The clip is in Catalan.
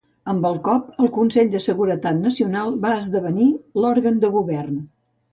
Amb el cop, el Consell de Seguretat Nacional va esdevenir l'òrgan de govern.